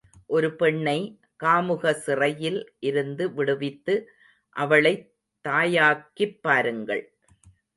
ஒரு பெண்ணை காமுக சிறையில் இருந்து விடுவித்து, அவளைத் தாயாக்கிப் பாருங்கள்.